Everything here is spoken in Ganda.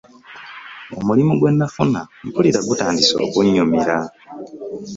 Omulimu gwe nafuna mpulira gutandise okunnyumira.